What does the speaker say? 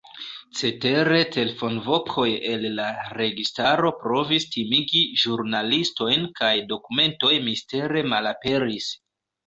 Cetere telefonvokoj el la registaro provis timigi ĵurnalistojn kaj dokumentoj mistere malaperis.